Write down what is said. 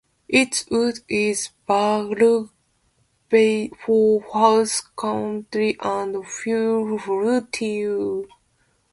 Its wood is valuable for house-carpentry and furniture.